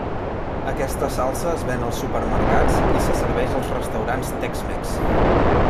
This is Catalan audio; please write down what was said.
Aquesta salsa es ven als supermercats i se serveix als restaurants tex-mex.